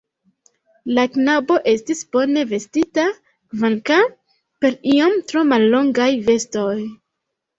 La knabo estis bone vestita, kvankam per iom tro mallongaj vestoj.